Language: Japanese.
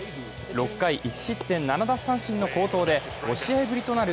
６回１失点７奪三振の好投で５試合ぶりとなる